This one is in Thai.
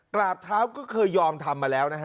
กราบเท้าก็เคยยอมทำมาแล้วนะฮะ